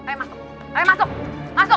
kayak masuk ayo masuk masuk